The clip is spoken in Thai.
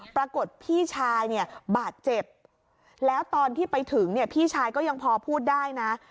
ปรากฏพี่ชายเนี่ยบาดเจ็บแล้วตอนที่ไปถึงเนี่ยพี่ชายก็ยังพอพูดได้นะ